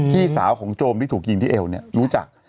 พี่สาวของโจมที่ถูกยิงที่เอวเนี่ยรู้จัก